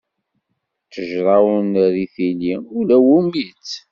Ttejṛa ur nerri tili, ula wumi-tt.